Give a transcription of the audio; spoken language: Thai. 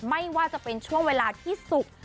ไม่ว่าจะเป็นช่วงเวลาที่สุก